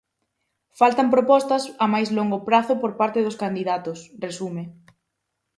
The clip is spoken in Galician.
"Faltan propostas a máis longo prazo por parte dos candidatos", resume.